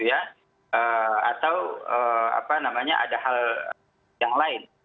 atau ada hal yang lain